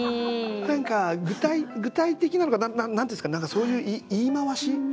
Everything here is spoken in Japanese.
何か具体的なのか何て言うんですかそういう言い回し？